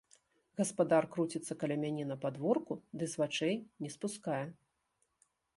Гаспадар круціцца каля мяне на падворку ды з вачэй не спускае.